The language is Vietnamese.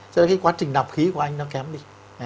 cho nên cái quá trình nạp khí của anh nó kém đi